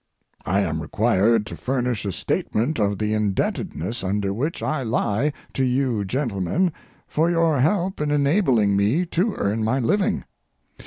I am required to furnish a statement of the indebtedness under which I lie to you gentlemen for your help in enabling me to earn my living.